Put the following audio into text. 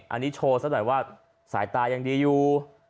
อันนี้โชว์ซะหน่อยว่าสายตายังดีอยู่